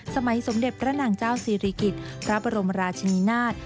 สมัยสมเด็จพระนางเจ้าศิริกิจพระบรมราชนีนาฏ